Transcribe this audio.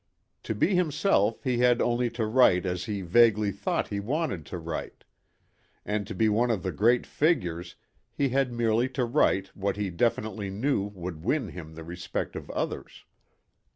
To be himself he had only to write as he vaguely thought he wanted to write. And to be one of the great figures he had merely to write what he definitely knew would win him the respect of others.